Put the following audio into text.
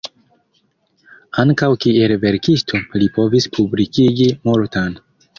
Ankaŭ kiel verkisto li povis publikigi multan.